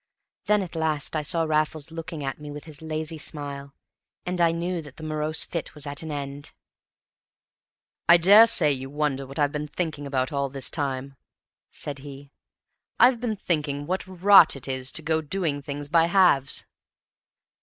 Then at last I saw Raffles looking at me with his lazy smile, and I knew that the morose fit was at an end. "I daresay you wonder what I've been thinking about all this time?" said he. "I've been thinking what rot it is to go doing things by halves!"